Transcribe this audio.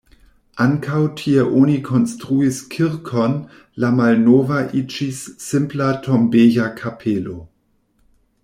Ankaŭ tie oni konstruis kirkon, la malnova iĝis simpla tombeja kapelo.